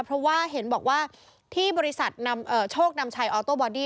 เพราะว่าเห็นบอกว่าที่บริษัทนำโชคนำชัยออโต้บอดี้